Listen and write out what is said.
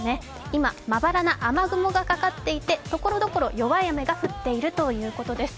今、まばらな雨雲がかかっていて、ところどころ弱い雨が降っているということです。